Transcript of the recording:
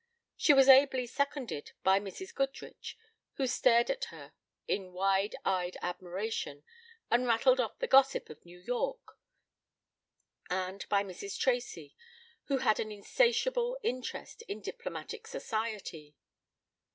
She was ably seconded by Mrs. Goodrich, who stared at her in wide eyed admiration and rattled off the gossip of New York, and by Mrs. Tracy, who had an insatiable interest in diplomatic society.